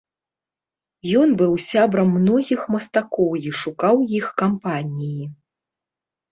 Ён быў сябрам многіх мастакоў і шукаў іх кампаніі.